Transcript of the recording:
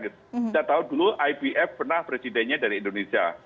kita tahu dulu ibf pernah presidennya dari indonesia